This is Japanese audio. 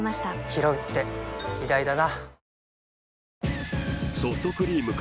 ひろうって偉大だな